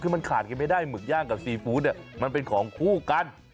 คือมันขาดกันไม่ได้หมึกย่างกับซีฟู้ดมันเป็นของคู่กัน